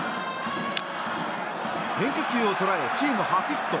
変化球を捉えチーム初ヒット。